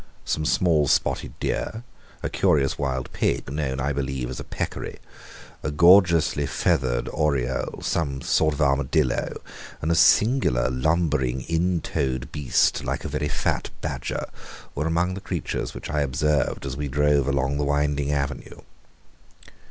Some small spotted deer, a curious wild pig known, I believe, as a peccary, a gorgeously feathered oriole, some sort of armadillo, and a singular lumbering in toed beast like a very fat badger, were among the creatures which I observed as we drove along the winding avenue.